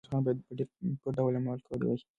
میرویس خان باید په ډېر پټ ډول عمل کړی وی.